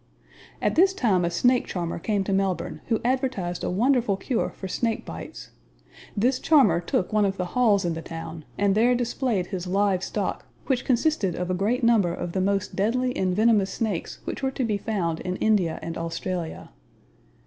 At this time a snake charmer came to Melbourne, who advertised a wonderful cure for snake bites. This charmer took one of the halls in the town, and there displayed his live stock, which consisted of a great number of the most deadly and venomous snakes which were to be found in India and Australia.